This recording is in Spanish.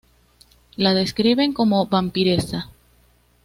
La describen como vampiresa.